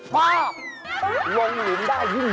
ป้าลงหลุมได้ยิ่ง